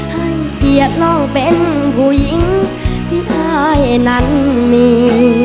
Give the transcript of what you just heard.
ให้เกียรติเราเป็นผู้หญิงที่อายนั้นมี